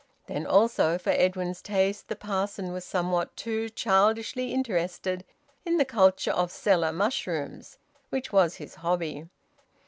Then also, for Edwin's taste, the parson was somewhat too childishly interested in the culture of cellar mushrooms, which was his hobby.